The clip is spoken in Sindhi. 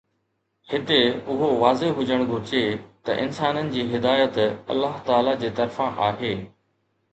هتي اهو واضح هجڻ گهرجي ته انسانن جي هدايت الله تعاليٰ جي طرفان آهي